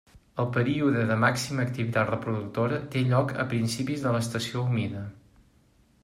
El període de màxima activitat reproductora té lloc a principis de l'estació humida.